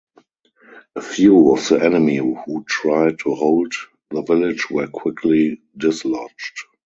A few of the enemy who tried to hold the village were quickly dislodged.